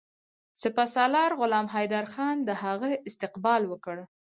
سپه سالار غلام حیدرخان د هغه استقبال وکړ.